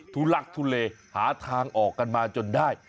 ทุลักทุเลหาทางออกกันมาจนได้